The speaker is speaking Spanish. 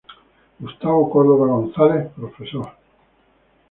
Gustavo Córdova González, Profr.